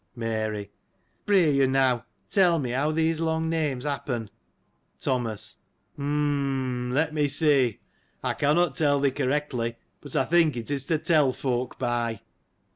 Mary. — Pr'y you, now, tell me how these long names happen. Thomas. — Um m mn — let me see : I cannot tell thee correctly, but I think it is to tell folk by.